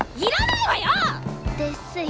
ですよね。